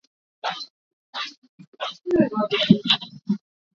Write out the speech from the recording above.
tayari tumeshasajili vikundi na tunawajua walipo